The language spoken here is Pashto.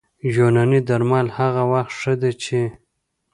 یوناني درمل هغه وخت ښه دي چې